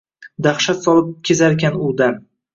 Dahshat solib kezarkan u dam